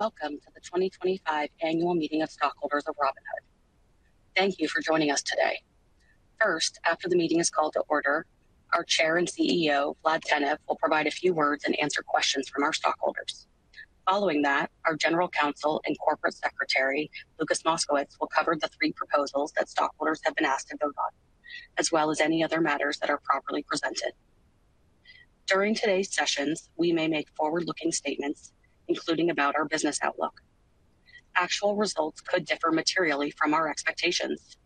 Welcome to the 2025 Annual Meeting of Stockholders of Robinhood. Thank you for joining us today. First, after the meeting is called to order, our Chair and CEO, Vlad Tenev, will provide a few words and answer questions from our stockholders. Following that, our General Counsel and Corporate Secretary, Lucas Moskowitz, will cover the three proposals that stockholders have been asked to vote on, as well as any other matters that are properly presented. During today's sessions, we may make forward-looking statements, including about our business outlook. Actual results could differ materially from our expectations.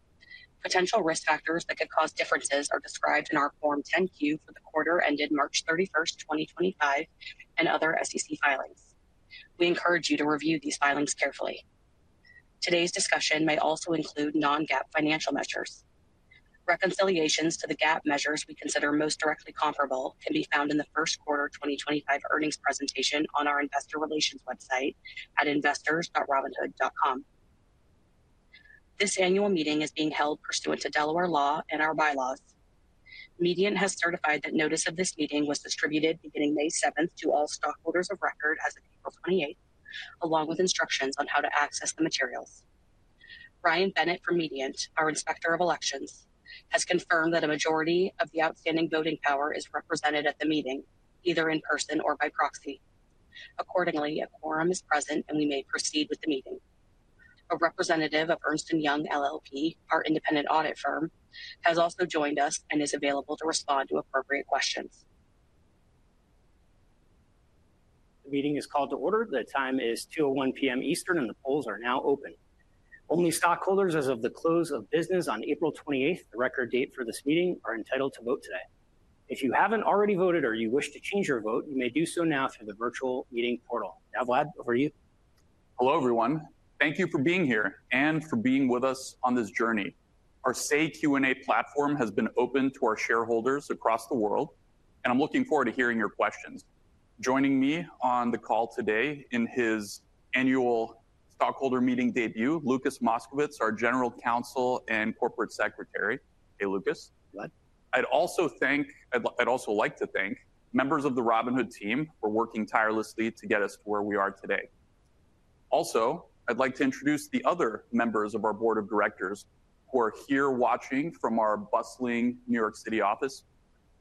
Potential risk factors that could cause differences are described in our Form 10-Q for the quarter ended March 31, 2025, and other SEC filings. We encourage you to review these filings carefully. Today's discussion may also include non-GAAP financial measures. Reconciliations to the GAAP measures we consider most directly comparable can be found in the first quarter 2025 earnings presentation on our investor relations website at investors.robinhood.com. This annual meeting is being held pursuant to Delaware law and our bylaws. Mediant has certified that notice of this meeting was distributed beginning May 7 to all stockholders of record as of April 28, along with instructions on how to access the materials. Brian Bennett from Mediant, our Inspector of Elections, has confirmed that a majority of the outstanding voting power is represented at the meeting, either in person or by proxy. Accordingly, a quorum is present, and we may proceed with the meeting. A representative of Ernst & Young LLP, our independent audit firm, has also joined us and is available to respond to appropriate questions. The meeting is called to order. The time is 2:01 P.M. Eastern, and the polls are now open. Only stockholders as of the close of business on April 28, the record date for this meeting, are entitled to vote today. If you haven't already voted or you wish to change your vote, you may do so now through the virtual meeting portal. Now, Vlad, over to you. Hello, everyone. Thank you for being here and for being with us on this journey. Our SAY Q&A platform has been open to our shareholders across the world, and I'm looking forward to hearing your questions. Joining me on the call today in his annual stockholder meeting debut, Lucas Moskowitz, our General Counsel and Corporate Secretary. Hey, Lucas. Good. I'd also like to thank members of the Robinhood team for working tirelessly to get us to where we are today. Also, I'd like to introduce the other members of our board of directors who are here watching from our bustling New York City office.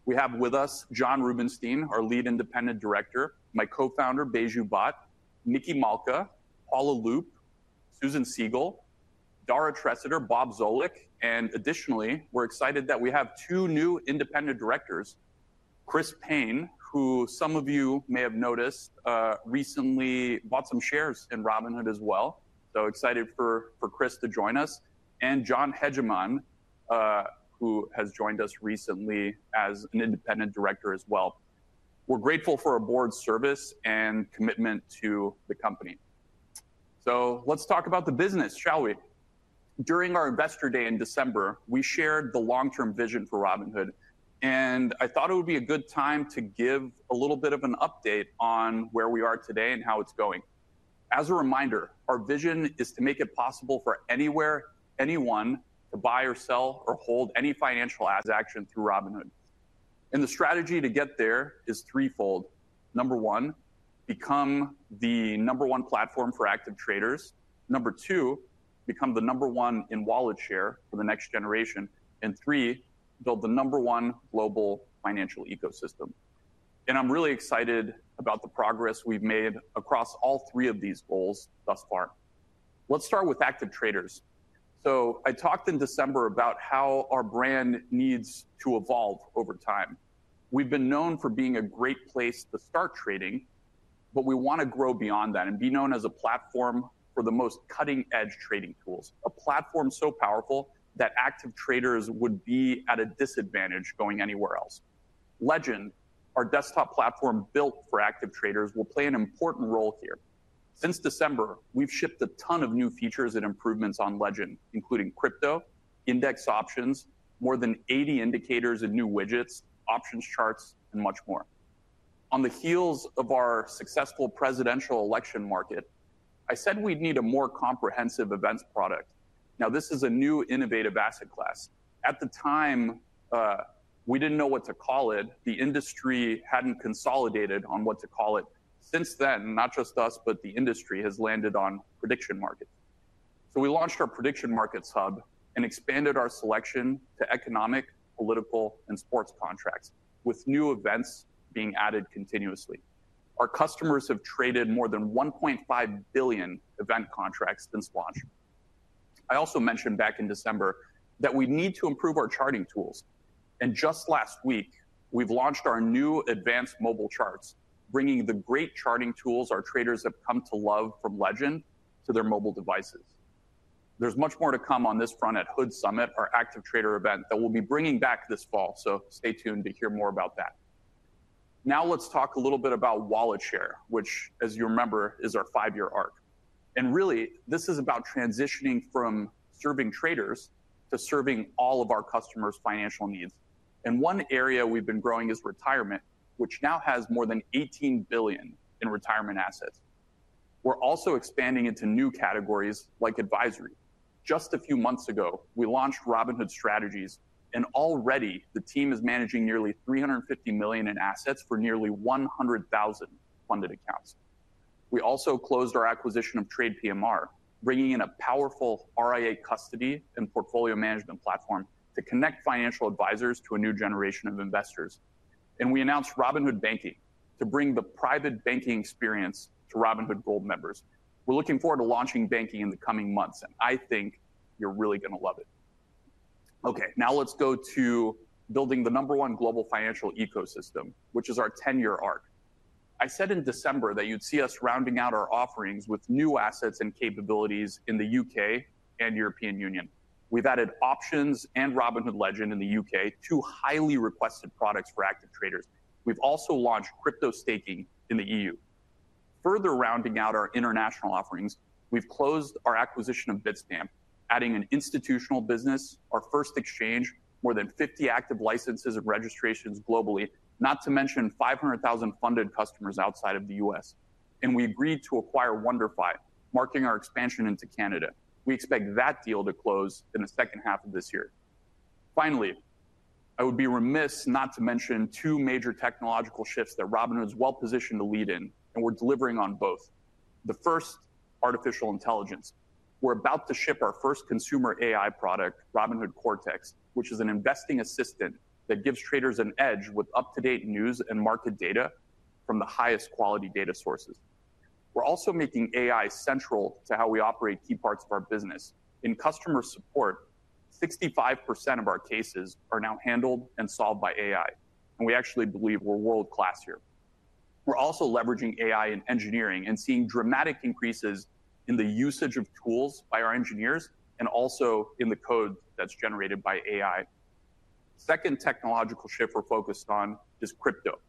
We have with us Jonathan Rubinstein, our lead independent director, my co-founder Baiju Bhatt, Nikki Malka, Paula Loop, Susan Siegel, Dara Treseder, Robert Zoellick, and additionally, we're excited that we have two new independent directors, Christopher Payne, who some of you may have noticed, recently bought some shares in Robinhood as well. Excited for Chris to join us, and John Hegeman, who has joined us recently as an independent director as well. We're grateful for our board's service and commitment to the company. Let's talk about the business, shall we? During our investor day in December, we shared the long-term vision for Robinhood, and I thought it would be a good time to give a little bit of an update on where we are today and how it's going. As a reminder, our vision is to make it possible for anywhere, anyone, to buy or sell or hold any financial asset action through Robinhood. The strategy to get there is threefold. Number one, become the number one platform for active traders. Number two, become the number one in wallet share for the next generation. Three, build the number one global financial ecosystem. I'm really excited about the progress we've made across all three of these goals thus far. Let's start with active traders. I talked in December about how our brand needs to evolve over time. We've been known for being a great place to start trading, but we want to grow beyond that and be known as a platform for the most cutting-edge trading tools. A platform so powerful that active traders would be at a disadvantage going anywhere else. Legend, our desktop platform built for active traders, will play an important role here. Since December, we've shipped a ton of new features and improvements on Legend, including crypto, index options, more than 80 indicators and new widgets, options charts, and much more. On the heels of our successful presidential election market, I said we'd need a more comprehensive events product. Now, this is a new innovative asset class. At the time, we didn't know what to call it. The industry hadn't consolidated on what to call it. Since then, not just us, but the industry has landed on prediction markets. We launched our prediction markets hub and expanded our selection to economic, political, and sports contracts, with new events being added continuously. Our customers have traded more than 1.5 billion event contracts since launch. I also mentioned back in December that we need to improve our charting tools. Just last week, we've launched our new advanced mobile charts, bringing the great charting tools our traders have come to love from Legend to their mobile devices. There is much more to come on this front at HUD Summit, our active trader event that we'll be bringing back this fall. Stay tuned to hear more about that. Now, let's talk a little bit about wallet share, which, as you remember, is our five-year arc. Really, this is about transitioning from serving traders to serving all of our customers' financial needs. One area we've been growing is retirement, which now has more than $18 billion in retirement assets. We're also expanding into new categories like advisory. Just a few months ago, we launched Robinhood Strategies, and already the team is managing nearly $350 million in assets for nearly 100,000 funded accounts. We also closed our acquisition of Trade PMR, bringing in a powerful RIA custody and portfolio management platform to connect financial advisors to a new generation of investors. We announced Robinhood Banking to bring the private banking experience to Robinhood Gold members. We're looking forward to launching banking in the coming months, and I think you're really going to love it. Okay, now let's go to building the number one global financial ecosystem, which is our 10-year arc. I said in December that you'd see us rounding out our offerings with new assets and capabilities in the U.K. and European Union. We've added options and Robinhood Legend in the U.K., two highly requested products for active traders. We've also launched crypto staking in the EU. Further rounding out our international offerings, we've closed our acquisition of Bitstamp, adding an institutional business, our first exchange, more than 50 active licenses and registrations globally, not to mention 500,000 funded customers outside of the U.S. We agreed to acquire WonderFi, marking our expansion into Canada. We expect that deal to close in the second half of this year. Finally, I would be remiss not to mention two major technological shifts that Robinhood is well positioned to lead in, and we're delivering on both. The first, artificial intelligence. We're about to ship our first consumer AI product, Robinhood Cortex, which is an investing assistant that gives traders an edge with up-to-date news and market data from the highest quality data sources. We're also making AI central to how we operate key parts of our business. In customer support, 65% of our cases are now handled and solved by AI, and we actually believe we're world-class here. We're also leveraging AI in engineering and seeing dramatic increases in the usage of tools by our engineers and also in the code that's generated by AI. The second technological shift we're focused on is crypto.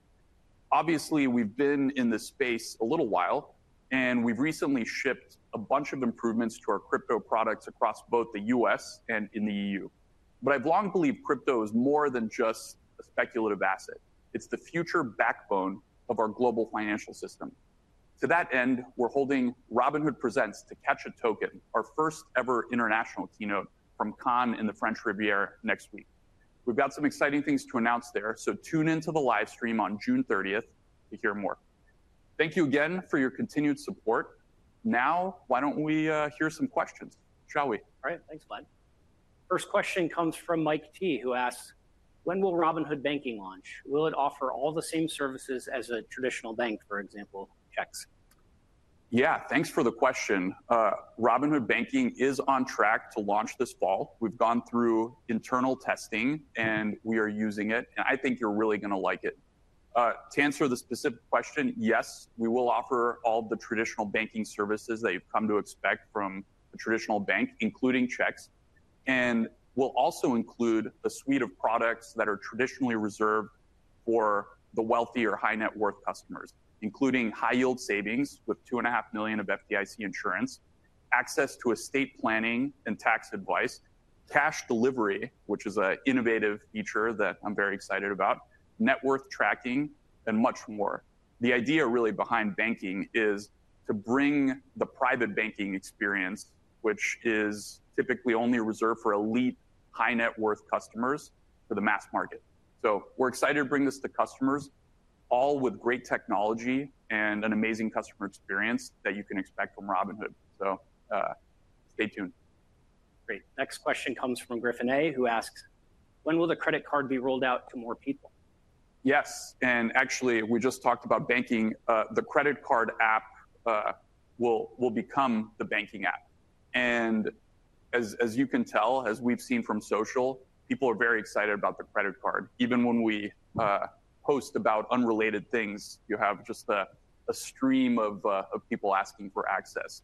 Obviously, we've been in this space a little while, and we've recently shipped a bunch of improvements to our crypto products across both the U.S. and in the EU. I've long believed crypto is more than just a speculative asset. It's the future backbone of our global financial system. To that end, we're holding Robinhood Presents to Catch a Token, our first ever international keynote from Cannes in the French Riviera next week. We've got some exciting things to announce there, so tune into the live stream on June 30 to hear more. Thank you again for your continued support. Now, why don't we hear some questions, shall we? All right, thanks, Vlad. First question comes from Mike T, who asks, when will Robinhood Banking launch? Will it offer all the same services as a traditional bank, for example, checks? Yeah, thanks for the question. Robinhood Banking is on track to launch this fall. We've gone through internal testing, and we are using it, and I think you're really going to like it. To answer the specific question, yes, we will offer all the traditional banking services that you've come to expect from a traditional bank, including checks. We will also include a suite of products that are traditionally reserved for the wealthy or high-net-worth customers, including high-yield savings with $2.5 million of FDIC insurance, access to estate planning and tax advice, cash delivery, which is an innovative feature that I'm very excited about, net worth tracking, and much more. The idea really behind banking is to bring the private banking experience, which is typically only reserved for elite, high-net-worth customers for the mass market. We're excited to bring this to customers, all with great technology and an amazing customer experience that you can expect from Robinhood. Stay tuned. Great. Next question comes from Griffin A, who asks, when will the credit card be rolled out to more people? Yes. Actually, we just talked about banking. The credit card app will become the banking app. As you can tell, as we've seen from social, people are very excited about the credit card. Even when we post about unrelated things, you have just a stream of people asking for access.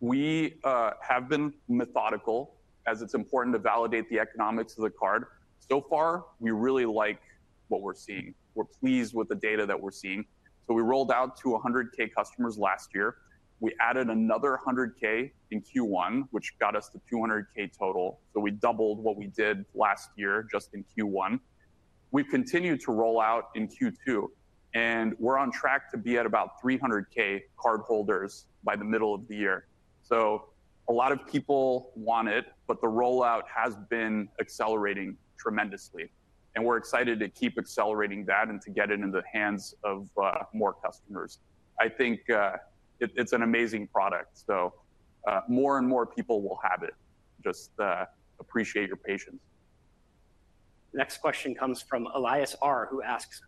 We have been methodical, as it's important to validate the economics of the card. So far, we really like what we're seeing. We're pleased with the data that we're seeing. We rolled out to 100,000 customers last year. We added another 100,000 in Q1, which got us to 200,000 total. We doubled what we did last year just in Q1. We've continued to roll out in Q2, and we're on track to be at about 300,000 cardholders by the middle of the year. A lot of people want it, but the rollout has been accelerating tremendously. We're excited to keep accelerating that and to get it into the hands of more customers. I think it's an amazing product. More and more people will have it. Just appreciate your patience. Next question comes from Elias R, who asks,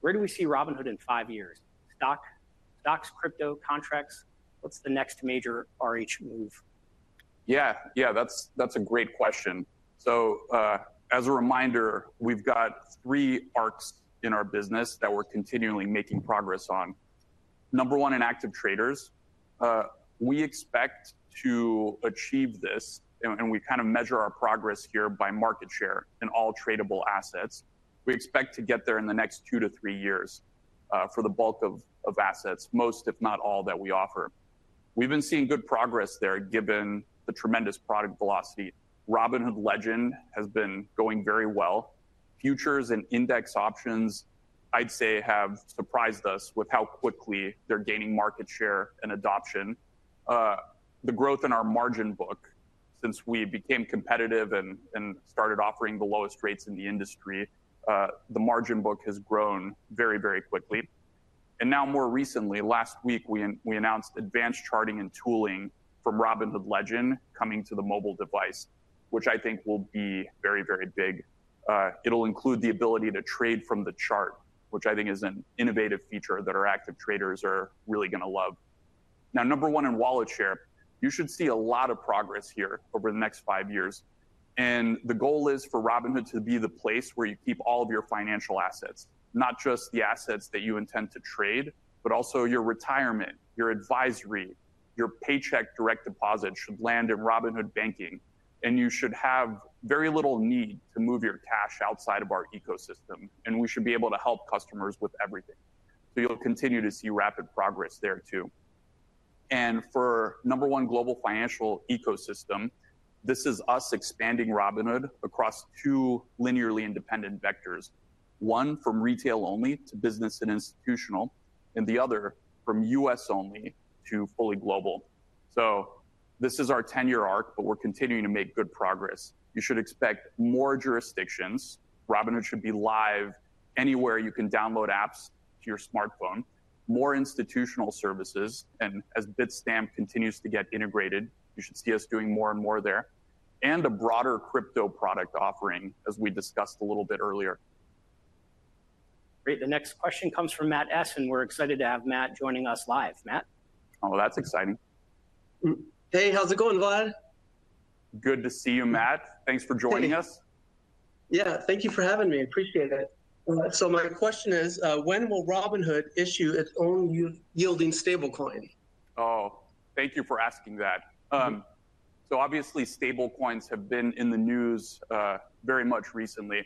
where do we see Robinhood in five years? Stock, stocks, crypto, contracts? What's the next major RH move? Yeah, yeah, that's a great question. As a reminder, we've got three arcs in our business that we're continually making progress on. Number one, in active traders, we expect to achieve this, and we kind of measure our progress here by market share in all tradable assets. We expect to get there in the next two to three years for the bulk of assets, most, if not all, that we offer. We've been seeing good progress there given the tremendous product velocity. Robinhood Legend has been going very well. Futures and index options, I'd say, have surprised us with how quickly they're gaining market share and adoption. The growth in our margin book, since we became competitive and started offering the lowest rates in the industry, the margin book has grown very, very quickly. Now, more recently, last week, we announced advanced charting and tooling from Robinhood Legend coming to the mobile device, which I think will be very, very big. It'll include the ability to trade from the chart, which I think is an innovative feature that our active traders are really going to love. Number one, in wallet share, you should see a lot of progress here over the next five years. The goal is for Robinhood to be the place where you keep all of your financial assets, not just the assets that you intend to trade, but also your retirement, your advisory, your paycheck direct deposit should land in Robinhood Banking. You should have very little need to move your cash outside of our ecosystem. We should be able to help customers with everything. You'll continue to see rapid progress there too. For number one, global financial ecosystem, this is us expanding Robinhood across two linearly independent vectors. One from retail only to business and institutional, and the other from U.S. only to fully global. This is our 10-year arc, but we're continuing to make good progress. You should expect more jurisdictions. Robinhood should be live anywhere you can download apps to your smartphone, more institutional services. As Bitstamp continues to get integrated, you should see us doing more and more there, and a broader crypto product offering, as we discussed a little bit earlier. Great. The next question comes from Matt Essen. We're excited to have Matt joining us live. Matt. Oh, that's exciting. Hey, how's it going, Vlad? Good to see you, Matt. Thanks for joining us. Yeah, thank you for having me. Appreciate it. My question is, when will Robinhood issue its own yielding stablecoin? Oh, thank you for asking that. Obviously, stablecoins have been in the news very much recently.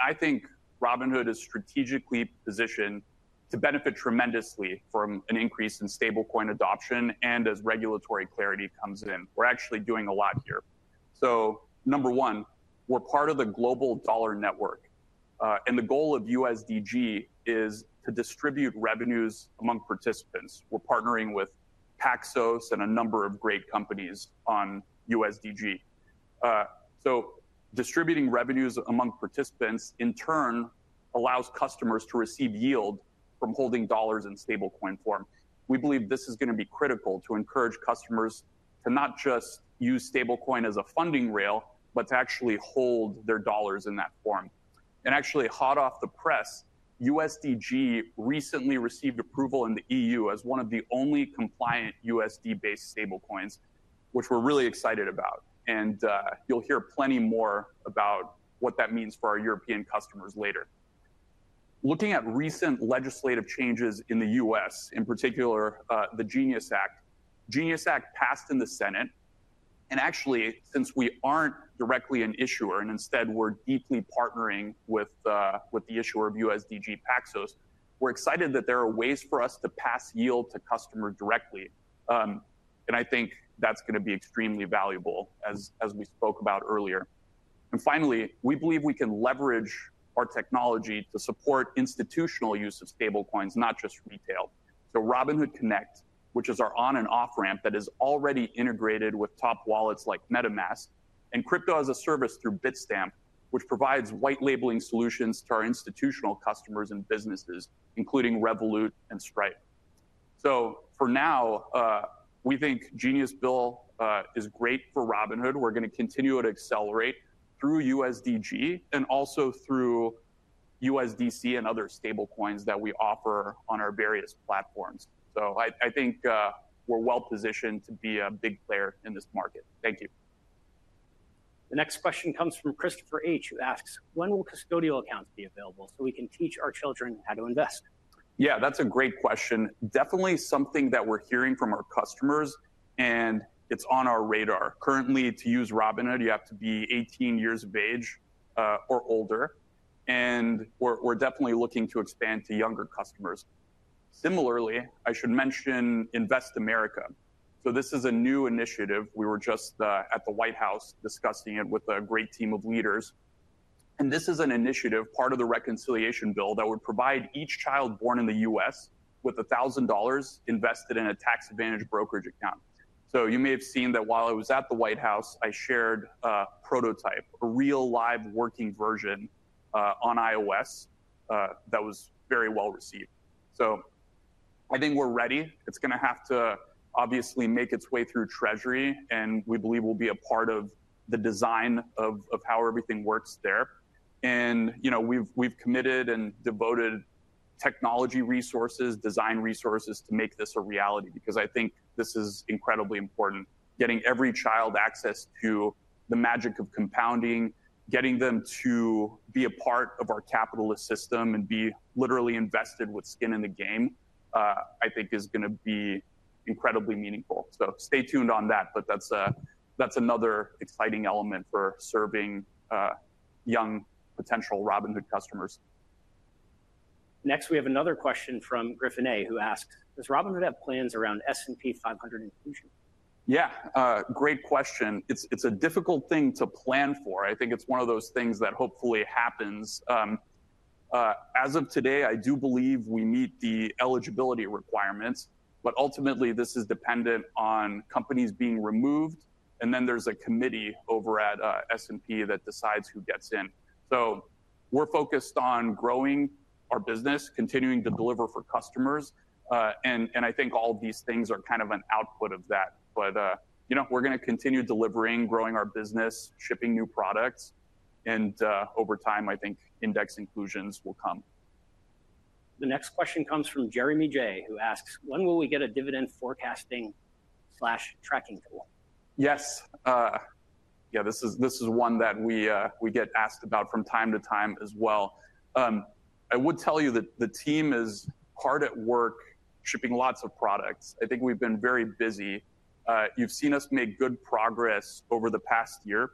I think Robinhood is strategically positioned to benefit tremendously from an increase in stablecoin adoption and as regulatory clarity comes in. We're actually doing a lot here. Number one, we're part of the global dollar network. The goal of USDG is to distribute revenues among participants. We're partnering with Paxos and a number of great companies on USDG. Distributing revenues among participants, in turn, allows customers to receive yield from holding dollars in stablecoin form. We believe this is going to be critical to encourage customers to not just use stablecoin as a funding rail, but to actually hold their dollars in that form. Actually, hot off the press, USDG recently received approval in the European Union as one of the only compliant USD-based stablecoins, which we're really excited about. You'll hear plenty more about what that means for our European customers later. Looking at recent legislative changes in the U.S., in particular, the Genius Act. Genius Act passed in the Senate. Actually, since we aren't directly an issuer and instead we're deeply partnering with the issuer of USDG, Paxos, we're excited that there are ways for us to pass yield to customers directly. I think that's going to be extremely valuable, as we spoke about earlier. Finally, we believe we can leverage our technology to support institutional use of stablecoins, not just retail. Robinhood Connect, which is our on-and-off ramp that is already integrated with top wallets like MetaMask, and Crypto as a Service through Bitstamp, which provides white labeling solutions to our institutional customers and businesses, including Revolut and Stripe. For now, we think Genius Bill is great for Robinhood. We're going to continue to accelerate through USDG and also through USDC and other stablecoins that we offer on our various platforms. I think we're well positioned to be a big player in this market. Thank you. The next question comes from Christopher H, who asks, when will custodial accounts be available so we can teach our children how to invest? Yeah, that's a great question. Definitely something that we're hearing from our customers, and it's on our radar. Currently, to use Robinhood, you have to be 18 years of age or older. We're definitely looking to expand to younger customers. Similarly, I should mention Invest America. This is a new initiative. We were just at the White House discussing it with a great team of leaders. This is an initiative, part of the reconciliation bill, that would provide each child born in the US with $1,000 invested in a tax-advantaged brokerage account. You may have seen that while I was at the White House, I shared a prototype, a real live working version on iOS that was very well received. I think we're ready. It's going to have to obviously make its way through Treasury, and we believe we'll be a part of the design of how everything works there. We've committed and devoted technology resources, design resources to make this a reality because I think this is incredibly important. Getting every child access to the magic of compounding, getting them to be a part of our capitalist system and be literally invested with skin in the game, I think is going to be incredibly meaningful. Stay tuned on that, but that's another exciting element for serving young potential Robinhood customers. Next, we have another question from Griffin A, who asks, does Robinhood have plans around S&P 500 inclusion? Yeah, great question. It's a difficult thing to plan for. I think it's one of those things that hopefully happens. As of today, I do believe we meet the eligibility requirements, but ultimately, this is dependent on companies being removed, and then there's a committee over at S&P that decides who gets in. We are focused on growing our business, continuing to deliver for customers. I think all of these things are kind of an output of that. We are going to continue delivering, growing our business, shipping new products. Over time, I think index inclusions will come. The next question comes from Jeremy J, who asks, when will we get a dividend forecasting/tracking tool? Yes. Yeah, this is one that we get asked about from time to time as well. I would tell you that the team is hard at work shipping lots of products. I think we've been very busy. You've seen us make good progress over the past year.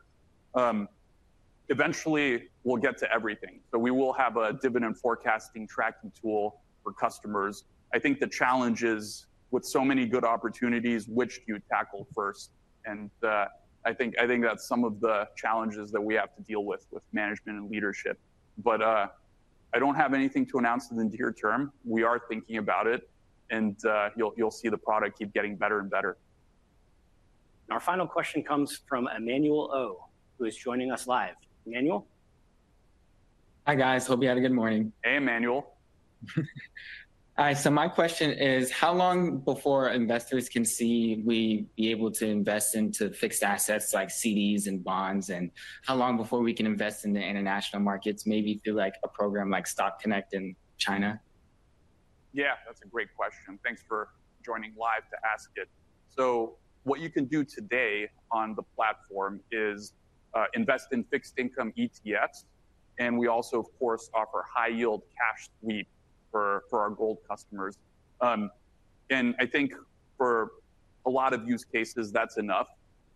Eventually, we'll get to everything. We will have a dividend forecasting tracking tool for customers. I think the challenge is, with so many good opportunities, which do you tackle first? I think that's some of the challenges that we have to deal with, with management and leadership. I don't have anything to announce in the near term. We are thinking about it. You'll see the product keep getting better and better. Our final question comes from Emmanuel O, who is joining us live. Emmanuel? Hi guys. Hope you had a good morning. Hey, Emmanuel. Hi. So my question is, how long before investors can see we be able to invest into fixed assets like CDs and bonds? And how long before we can invest in the international markets, maybe through a program like Stock Connect in China? Yeah, that's a great question. Thanks for joining live to ask it. What you can do today on the platform is invest in fixed income ETFs. We also, of course, offer high-yield cash sweep for our Gold customers. I think for a lot of use cases, that's enough.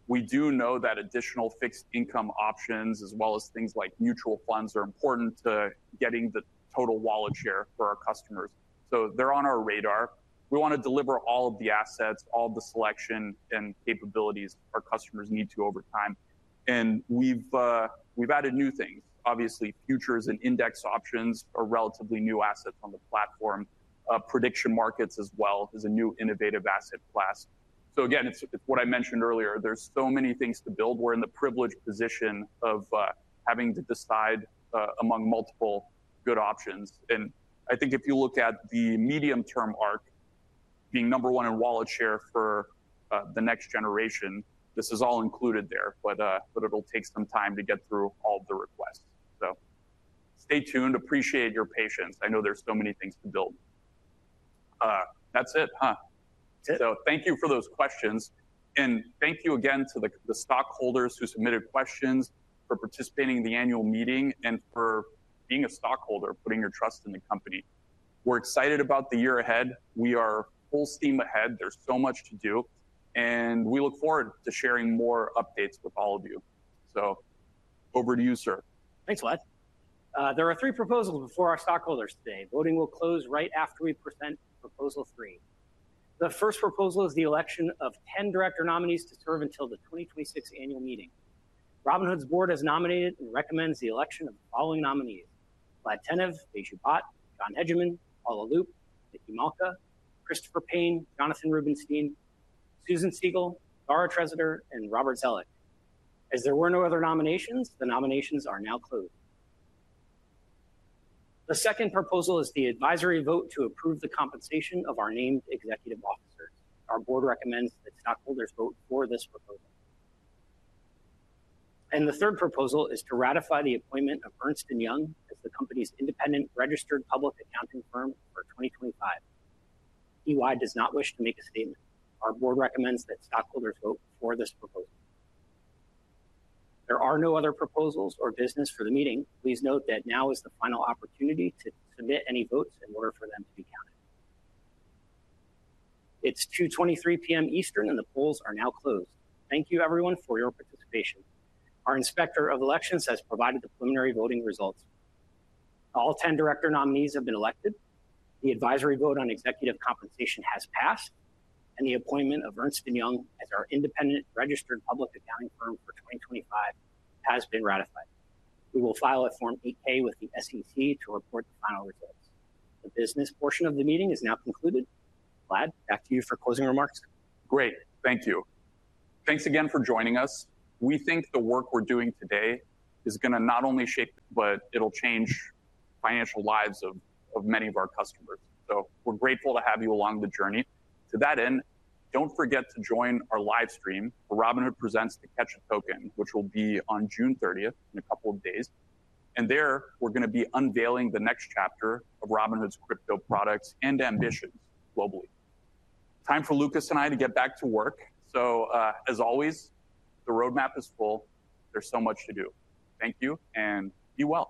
We do know that additional fixed income options, as well as things like mutual funds, are important to getting the total wallet share for our customers. They're on our radar. We want to deliver all of the assets, all of the selection and capabilities our customers need to over time. We've added new things. Obviously, futures and index options are relatively new assets on the platform. Prediction markets as well is a new innovative asset class. Again, it's what I mentioned earlier. There are so many things to build. We're in the privileged position of having to decide among multiple good options. I think if you look at the medium-term arc, being number one in wallet share for the next generation, this is all included there. It will take some time to get through all of the requests. Stay tuned. Appreciate your patience. I know there are so many things to build. That's it, huh? That's it. Thank you for those questions. Thank you again to the stockholders who submitted questions for participating in the annual meeting and for being a stockholder, putting your trust in the company. We are excited about the year ahead. We are full steam ahead. There is so much to do. We look forward to sharing more updates with all of you. Over to you, sir. Thanks, Vlad. There are three proposals before our stockholders today. Voting will close right after we present proposal three. The first proposal is the election of 10 director nominees to serve until the 2026 annual meeting. Robinhood's board has nominated and recommends the election of the following nominees: Vlad Tenev, Baiju Bhatt, John Hegeman, Paula Loop, Nikki Malka, Christopher Payne, Jonathan Rubinstein, Susan Siegel, Dara Treseder, and Robert Zoellick. As there were no other nominations, the nominations are now closed. The second proposal is the advisory vote to approve the compensation of our named executive officers. Our board recommends that stockholders vote for this proposal. The third proposal is to ratify the appointment of Ernst & Young as the company's independent registered public accounting firm for 2025. EY does not wish to make a statement. Our board recommends that stockholders vote for this proposal. There are no other proposals or business for the meeting. Please note that now is the final opportunity to submit any votes in order for them to be counted. It's 2:23 P.M. Eastern, and the polls are now closed. Thank you, everyone, for your participation. Our Inspector of Elections has provided the preliminary voting results. All 10 director nominees have been elected. The advisory vote on executive compensation has passed. The appointment of Ernst & Young as our independent registered public accounting firm for 2025 has been ratified. We will file a Form 8-K with the SEC to report the final results. The business portion of the meeting is now concluded. Vlad, back to you for closing remarks. Great. Thank you. Thanks again for joining us. We think the work we're doing today is going to not only shape, but it'll change financial lives of many of our customers. We are grateful to have you along the journey. To that end, do not forget to join our livestream for Robinhood Presents: The Catch a Token, which will be on June 30th in a couple of days. There, we are going to be unveiling the next chapter of Robinhood's crypto products and ambitions globally. Time for Lucas and I have to get back to work. As always, the roadmap is full. There is so much to do. Thank you and be well.